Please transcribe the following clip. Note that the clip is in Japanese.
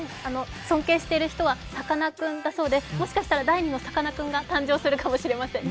尊敬している人はさかなクンだそうでもしかしたら第２のさかなクンが誕生するかもしれませんね。